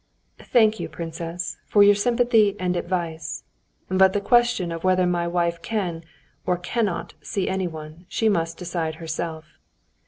"Thank you, princess, for your sympathy and advice. But the question of whether my wife can or cannot see anyone she must decide herself."